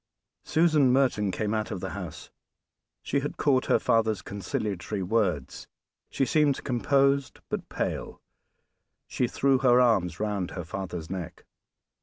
Susan Merton came out of the house; she had caught her father's conciliatory words; she seemed composed, but pale; she threw her arms round her father's neck.